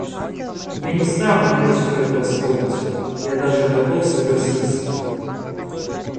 Я не стану против этого спорить, я даже готов согласиться.